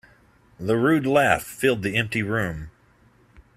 The rude laugh filled the empty room.